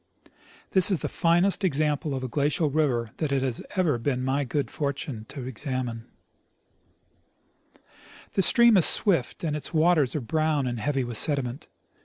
This is the finest example of a glacial river that it has ever been my good fortune to examine. The stream is swift, and its waters are brown and heavy with sediment.